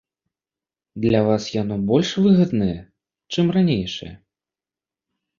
Для вас яно больш выгаднае, чым ранейшае?